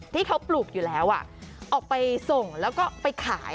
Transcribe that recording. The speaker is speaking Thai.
ที่เขาปลูกอยู่แล้วออกไปส่งแล้วก็ไปขาย